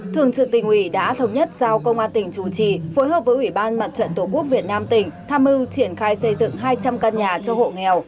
thường trực tỉnh ủy đã thống nhất giao công an tỉnh chủ trì phối hợp với ủy ban mặt trận tổ quốc việt nam tỉnh tham mưu triển khai xây dựng hai trăm linh căn nhà cho hộ nghèo